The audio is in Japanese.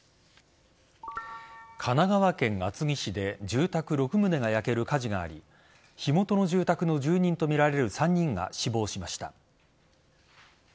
神奈川県厚木市で住宅６棟が焼ける火事があり火元の住宅の住人とみられる３人が死亡しました。